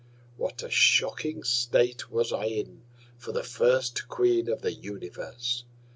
What a shocking State was I in for the first Queen of the Universe!